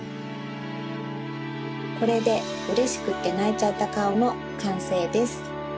これでうれしくってないちゃったかおのかんせいです。